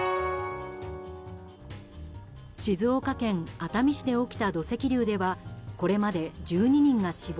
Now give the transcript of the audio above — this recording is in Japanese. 静岡県熱海市で起きた土石流ではこれまで１２人が死亡。